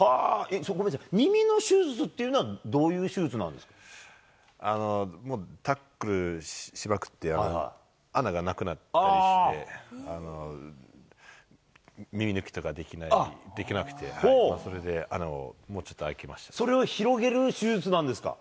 耳の手術っていうのはどういもうタックルしまくって、穴がなくなったりして、耳抜きとかできなくて、それで、それを広げる手術なんですか。